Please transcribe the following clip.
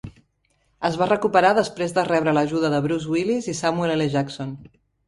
Es va recuperar després de rebre l'ajuda de Bruce Willis i Samuel L. Jackson.